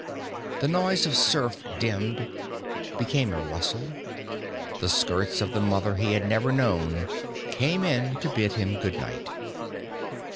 The noise of surf dimmed, became a rustle, the skirts of the mother he had never known, come in to bid him goodnight.